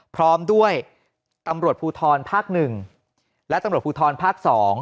พร้อมด้วยตำรวจภูทรภาค๑และตำรวจภูทรภาค๒